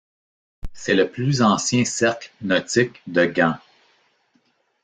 C'est le plus ancien cercle nautique de Gand.